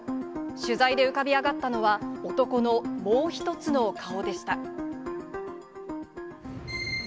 取材で浮かび上がったのは、男のもう一つの顔でした。